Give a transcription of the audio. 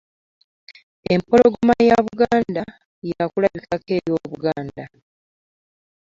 Empologoma ya Buganda ya kulabikako we obuganda.